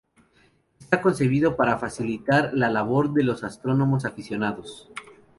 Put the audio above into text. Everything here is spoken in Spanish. Está concebido para facilitar la labor de los astrónomos aficionados.